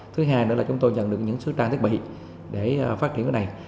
thứ hai nữa là chúng tôi nhận được những số trang thiết bị để phát triển cái này